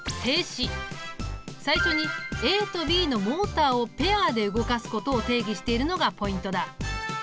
最初にＡとＢのモーターをペアで動かすことを定義しているのがポイントだ。